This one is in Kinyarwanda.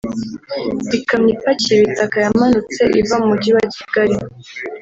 Ikamyo ipakiye ibitaka yamanutse iva mu mujyi wa Kigali